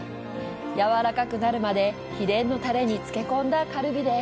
やわらかくなるまで秘伝のタレに漬け込んだカルビです。